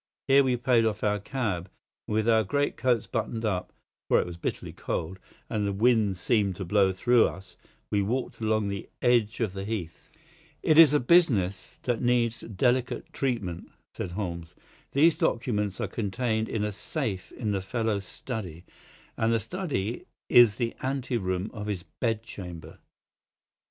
Here we paid off our cab, and with our great coats buttoned up, for it was bitterly cold and the wind seemed to blow through us, we walked along the edge of the Heath. "It's a business that needs delicate treatment," said Holmes. "These documents are contained in a safe in the fellow's study, and the study is the ante room of his bed chamber.